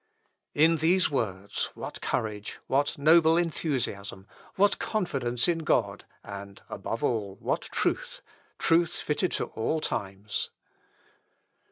In these words what courage, what noble enthusiasm, what confidence in God, and, above all, what truth, truth fitted to all times!